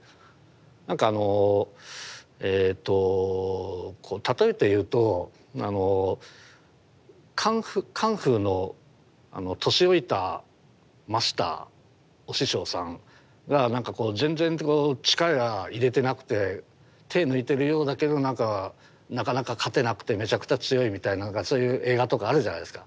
なんかあのえっと例えて言うとカンフーの年老いたマスターお師匠さんがなんかこう全然力入れてなくて手抜いてるようだけどなんかなかなか勝てなくてめちゃくちゃ強いみたいなそういう映画とかあるじゃないですか。